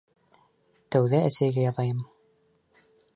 Тәүҙә әсәйгә яҙайым.